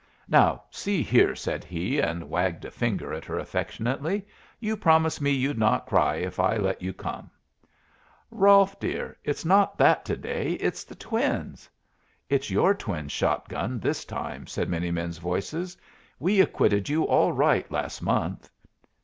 "Now see here," said he, and wagged a finger at her affectionately, "you promised me you'd not cry if I let you come." "Rolfe, dear, it's not that to day; it's the twins." "It's your twins, Shot gun, this time," said many men's voices. "We acquitted you all right last month."